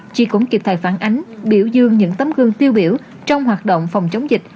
chị cũng kịp thời phản ánh biểu dương những tấm gương tiêu biểu trong hoạt động phòng chống dịch